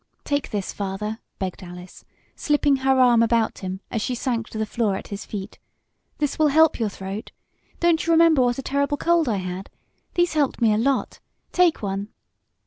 "Take this, Father," begged Alice, slipping her arm about him, as she sank to the floor at his feet. "This will help your throat. Don't you remember what a terrible cold I had? These helped me a lot. Take one!"